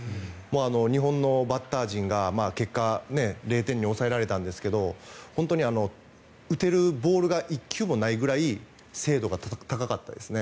日本のバッター陣が結果、０点に抑えられたんですが本当に打てるボールが１球もないくらい精度が高かったですね。